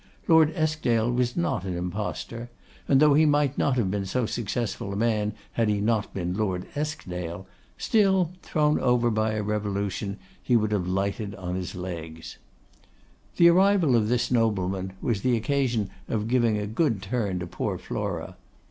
Lord Eskdale was not an impostor; and though he might not have been so successful a man had he not been Lord Eskdale, still, thrown over by a revolution, he would have lighted on his legs. The arrival of this nobleman was the occasion of giving a good turn to poor Flora.